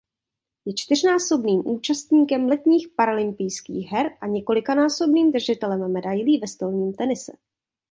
Je čtyřnásobným účastníkem letních paralympijských her a několikanásobným držitelem medailí ve stolním tenise.